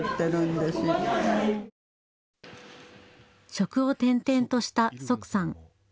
職を転々とした石さん。